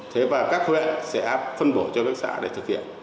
thế và các huyện sẽ phân bổ cho các xã để thực hiện